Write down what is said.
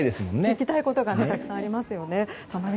聞きたいことがたくさんありますからね。